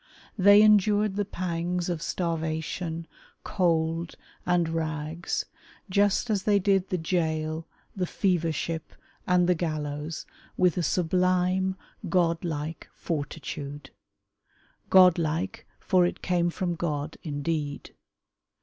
They endured the pangs of starvation, cold and rags just as they did the gaol, the fever ship, and the gallows, with a sublime, godlike fortitude. Godlike, for it came from God indeed.